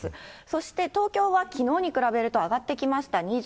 そして東京はきのうに比べると上がってきました。